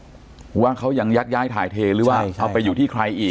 เพราะว่าเขายังยักย้ายถ่ายเทหรือว่าเอาไปอยู่ที่ใครอีก